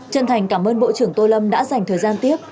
chân thành cảm ơn bộ trưởng tô lâm đã dành thời gian tiếp